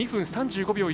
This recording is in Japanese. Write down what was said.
２分３５秒１０。